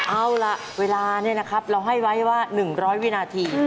เอาล่ะเวลาเราให้ไว้ว่า๑๐๐วินาที